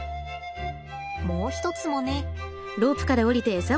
もう一つもね。